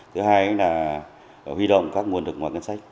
thứ hai là huy động các nguồn lực ngoài ngân sách